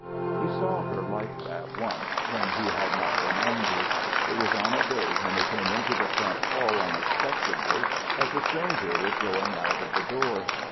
He saw her like that once when he had not been angry. It was on a day when he came into the front hall unexpectedly as a stranger was going out of the door.